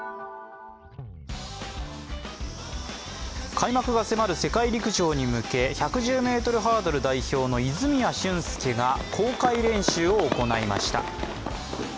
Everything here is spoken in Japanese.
開幕が迫る世界陸上に向け１１０ｍハードル代表の泉谷駿介が公開練習を行いました。